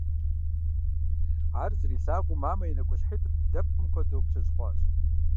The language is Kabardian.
Ар зэрилъагъуу, мамэ и нэкӀущхьитӀыр, дэпым хуэдэу, плъыжь хъуащ.